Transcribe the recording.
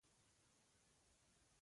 کتابچه د تعلیم زیور دی